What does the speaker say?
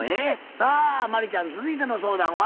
さあ真理ちゃん続いての相談は？